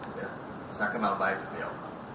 saya kenal baik beliau